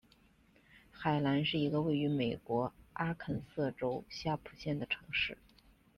海兰是一个位于美国阿肯色州夏普县的城市。